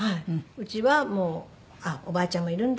うちはもうおばあちゃんもいるんだ。